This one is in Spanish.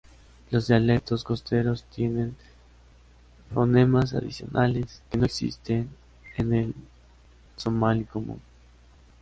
Los dialectos costeros tienen fonemas adicionales que no existen en el somalí común.